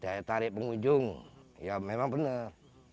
daya tarik pengunjung ya memang bener